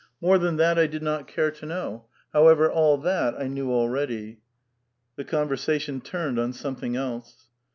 " More than that I did not care to know. However, all that I knew already." The conversation turned on something else.